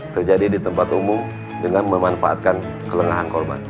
terjadi di tempat umum dengan memanfaatkan kelenganan kolman